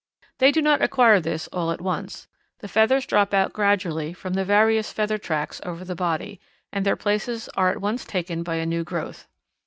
They do not acquire this all at once. The feathers drop out gradually from the various feather tracts over the body, and their places are at once taken by a new growth.